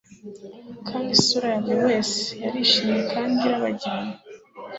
Kandi isura ya buri wese yarishimye kandi irabagirana